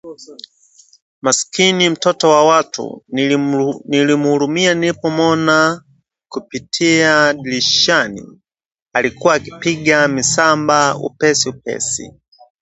Maskini mtoto wa watu! Nilimhurumia nilipomwona kupitia dirishani- alikuwa akipiga misamba upesi upesi